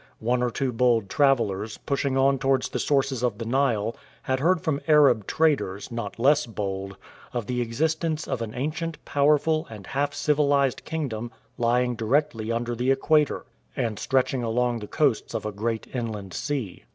One or two bold travellers, pushing on towards the sources of the Nile, had heard from Arab traders, not less bold, of the existence of an ancient, powerful, and half civilized kingdom lying directly under the equator, and stretching along the coasts of a great inland sea.